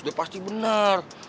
udah pasti bener